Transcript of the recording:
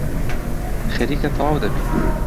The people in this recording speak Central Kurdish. خەریکە تەواو دەبین.